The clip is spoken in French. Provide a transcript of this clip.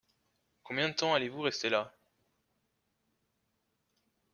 Combien de temps allez-vous rester là ?